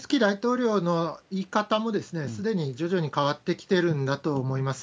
これはゼレンスキー大統領の言い方も、すでに徐々に変わってきているんだと思います。